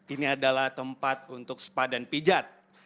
ini adalah tempat untuk spa dan pijat